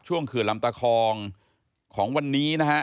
เขื่อนลำตะคองของวันนี้นะฮะ